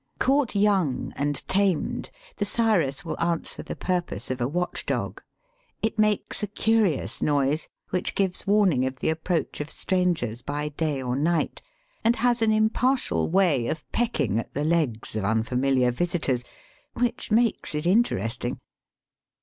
Caught young and tamed, the sirus will answer the purpose of a watchdog. It makes a curious noise, which gives warning of the approach of strangers by day or night, and has an impartial way of pecking at the legs of unfamiliar visitors, which makes it interesting.